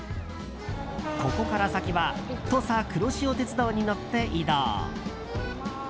ここから先は土佐くろしお鉄道に乗って移動。